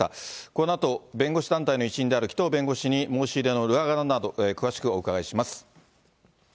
このあと、弁護士団体の一員である紀藤弁護士に、申し入れの裏側など、詳しくお伺いします。